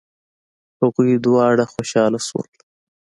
هغوی دواړه خوشحاله شول.